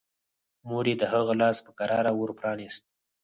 مور يې د هغه لاس په کراره ور پرانيست.